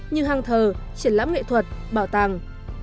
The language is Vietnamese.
như hang thờ triển lãm nghệ thuật bảo tàng